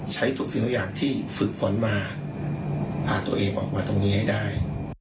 ใช้ทุกสิ่งทุกอย่างที่ฝึกฝนมาพาตัวเองออกมาตรงนี้ให้ได้